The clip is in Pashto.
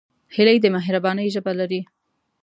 هیلۍ د مهربانۍ ژبه لري